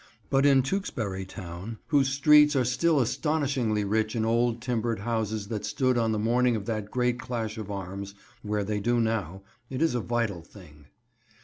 But in Tewkesbury town, whose streets are still astonishingly rich in old timbered houses that stood on the morning of that great clash of arms where they do now, it is a vital thing.